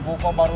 babak udah lapar